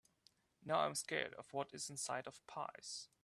Now, I’m scared of what is inside of pies.